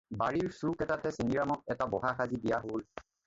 বাৰীৰ চুক এটাতে চেনিৰামক এটা বহা সাজি দিয়া হ'ল।